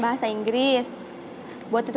eh bangkuan men